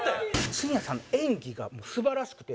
新谷さんの演技が素晴らしくて。